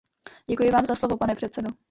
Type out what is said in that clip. Děkuji vám za slovo, pane předsedo.